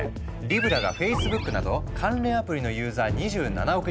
リブラがフェイスブックなど関連アプリのユーザー２７億